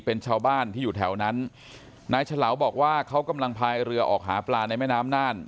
เป็นชาวบ้านที่อยู่แถวนั้นนายฉลาบอกว่าเขากำลังพายเรือออกหาปลาในแม่น้ำน่าน